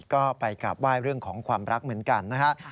ก็ไปกราบไหว้เรื่องของความรักเหมือนกันนะฮะ